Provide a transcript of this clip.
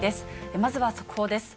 まずは速報です。